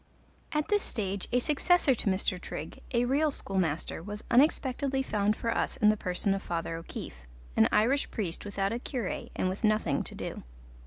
At this stage a successor to Mr. Trigg, a real schoolmaster, was unexpectedly found for us in the person of Father O'Keefe, an Irish priest without a cure and with nothing to do.